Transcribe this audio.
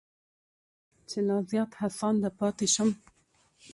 چې لا زیات هڅانده پاتې شم.